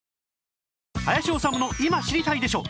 『林修の今知りたいでしょ！』